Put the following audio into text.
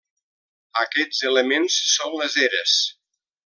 Aquests elements són les eres.